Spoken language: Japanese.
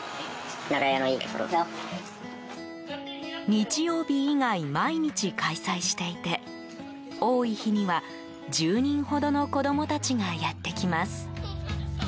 日曜日以外、毎日開催していて多い日には、１０人ほどの子供たちがやってきます。